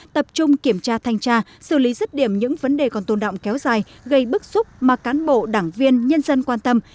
tập trung kiểm tra thanh tra xử lý rứt điểm những vấn đề còn tồn động kéo dài gây bức xúc mà cán bộ đảng viên nhân dân quan tâm